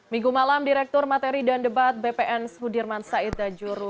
minggu malam direktur materi dan debat bpn sudirman said dajuru